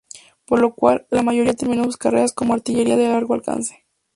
Por lo cual, la mayoría terminó sus carreras como artillería de largo alcance.